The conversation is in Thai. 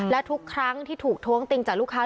และทุกครั้งที่ถูกท้วงติงจากลูกค้า